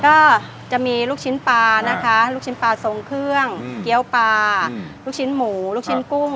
ก็จะมีลูกชิ้นปลานะคะลูกชิ้นปลาทรงเครื่องเกี้ยวปลาลูกชิ้นหมูลูกชิ้นกุ้ง